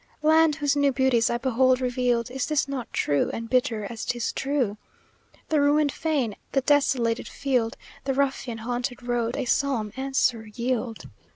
Land, whose new beauties I behold revealed, Is this not true, and bitter as 'tis true? The ruined fane, the desolated field, The ruffian haunted road, a solemn answer yield.